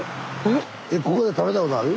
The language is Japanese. ここで食べたことある？